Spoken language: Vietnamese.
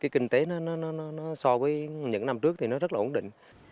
kinh tế so với những năm trước thì rất là ổn định